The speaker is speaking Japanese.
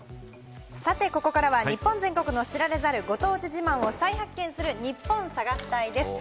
さて、ここからは日本全国の知られざるご当地自慢を再発見する、ニッポン探し隊です。